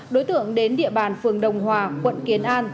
đối tượng đến địa bàn phường đồng hòa quận kiến an